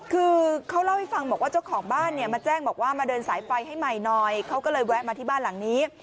คือเขาเล่าให้ฟังบอกว่าเจ้าของบ้านเนี่ยมาแจ้งบอกว่ามาเดินสายไฟให้ใหม่หน่อยเขาก็เลยแวะมาที่บ้านหลังนี้